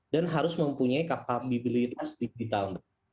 dan harus mempunyai kapabilitas digital